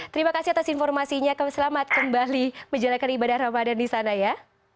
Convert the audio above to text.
terima kasih atas informasinya kami selamat kembali menjalankan ibadah ramadan di sana ya